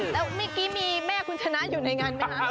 แล้วเมื่อกี้มีแม่คุณชนะอยู่ในงานไหมคะ